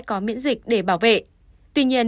có miễn dịch để bảo vệ tuy nhiên